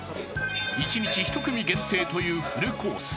一日１組限定というフルコース。